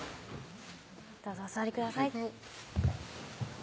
どうぞお座りください